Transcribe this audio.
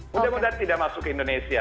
mudah mudahan tidak masuk ke indonesia